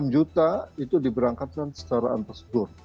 enam juta itu diberangkatkan secara antar segur